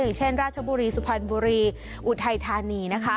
อย่างเช่นราชบุรีสุพรรณบุรีอุทัยธานีนะคะ